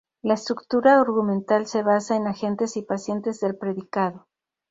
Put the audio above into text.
La estructura argumental se basa en agentes y pacientes del predicado.